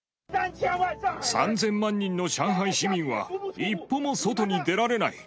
３０００万人の上海市民は、一歩も外に出られない。